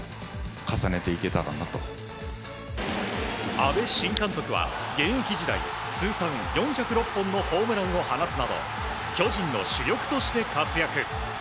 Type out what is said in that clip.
阿部新監督は現役時代通算４０６本のホームランを放つなど巨人の主力として活躍。